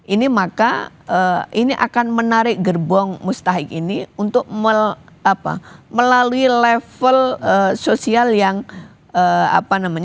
ini akan menarik gerbong mustahik ini untuk melalui level sosial yang dia bisa keluar naik kelas